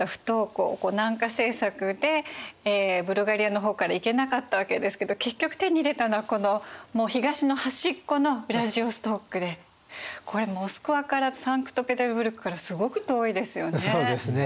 南下政策でブルガリアの方から行けなかったわけですけど結局手に入れたのはこの東の端っこのウラジヴォストクでこれモスクワからサンクトペテルブルクからすごく遠いですよね。